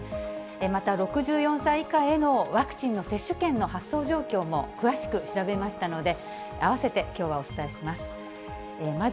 また６４歳以下へのワクチンの接種券の発送状況も詳しく調べましたので、合わせてきょうはお伝えします。